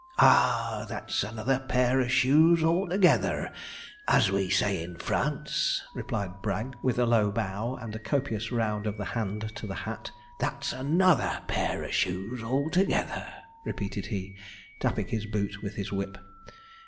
'Ah! that's another pair of shoes altogether, as we say in France,' replied Bragg, with a low bow and a copious round of the hand to the hat. 'That's another pair of shoes altogether,' repeated he, tapping his boot with his whip.